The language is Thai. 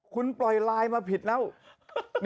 คุณปล่อยไลน์มาผิดแล้ว